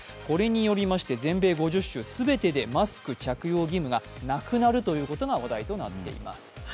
これによりまして全米５０州全てでマスク着用義務がなくなるということが話題となっています。